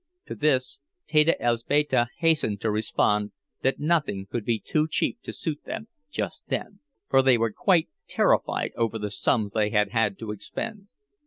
To this Teta Elzbieta hastened to respond that nothing could be too cheap to suit them just then; for they were quite terrified over the sums they had had to expend.